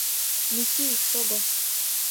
Мичий, шого!